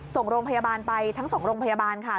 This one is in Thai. ส่งโรงพยาบาลไปทั้ง๒โรงพยาบาลค่ะ